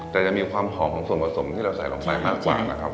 แต่จะมีความหอมของส่วนผสมที่เราใส่ลงไปมากกว่านะครับ